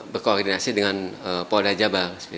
berkoordinasi dengan polda jabar